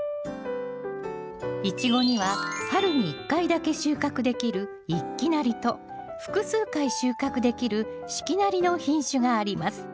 イチゴには春に１回だけ収穫できる一季なりと複数回収穫できる四季なりの品種があります。